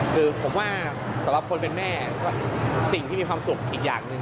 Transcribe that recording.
คือผมว่าสำหรับคนเป็นแม่สิ่งที่มีความสุขอีกอย่างหนึ่ง